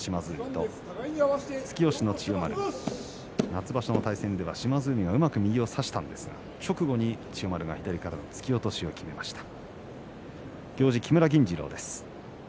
夏場所の対戦では島津海がうまく右を差したんですが直後に千代丸が左からの突き落としをきめました。